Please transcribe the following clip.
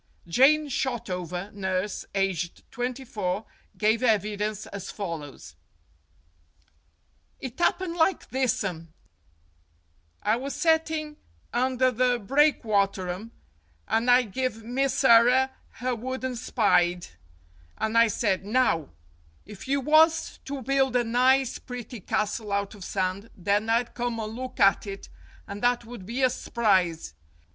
Jane Shotover, nurse, aged twenty four, gave evi dence as follows : "It 'appened like thissum. I was setting under the breakwaterum, and I give Misserrer her wooden spide, and I said, 'Now, if you was to build a nice, pretty castle out of sand, then I'd come and look at it, and that would be a s'prise.'